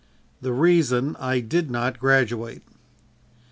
The Reason I did not Graduate.